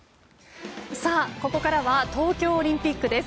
ここからは東京オリンピックです。